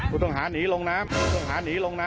ผู้ต้องหานีลงน้ำ